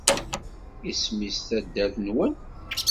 Isem-is taddart-nwen?